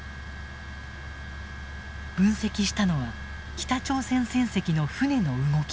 分析したのは北朝鮮船籍の船の動き。